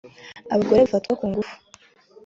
Abagore bafatwa ku ngufu